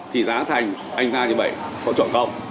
thì giá thành anh ta như vậy có chọn không